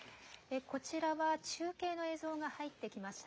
こちらは中継の映像が入ってきました。